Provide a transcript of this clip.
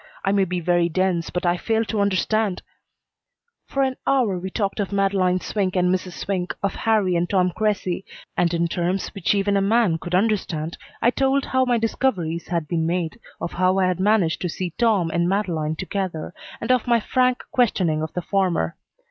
I may be very dense, but I fail to understand " For an hour we talked of Madeleine Swink and Mrs. Swink, of Harrie and Tom Cressy, and in terms which even a man could understand I told how my discoveries had been made, of how I had managed to see Tom and Madeleine together, and of my frank questioning of the former.